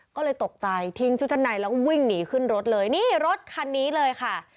ก็เลยตกใจทิ้งชุดชั้นในแล้ววิ่งหนีขึ้นรถเลยนี่รถคันนี้เลยค่ะ